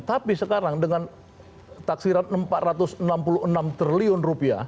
tapi sekarang dengan taksirat rp empat ratus enam puluh enam triliun